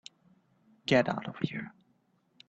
Get out of here.